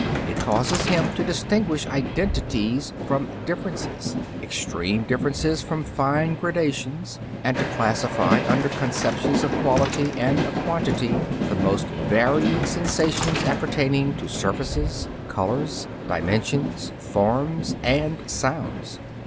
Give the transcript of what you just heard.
It causes him to distinguish identities from differences, extreme differences from fine gradations, and to classify, under conceptions of quality and of quantity, the most varying sensations appertaining to surfaces, colors, dimensions, forms and sounds.